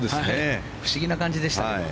不思議な感じでしたけども。